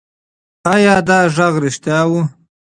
ایا دا غږ رښتیا و؟